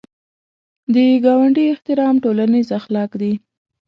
د ګاونډي احترام ټولنیز اخلاق دي